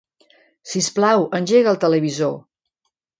Sisplau, engega el televisor.